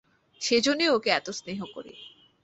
সেইজন্যেই ওকে এত স্নেহ করি।